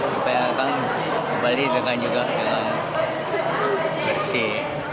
supaya kan kembali dengan juga bersih